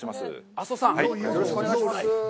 阿曽さん、よろしくお願いします。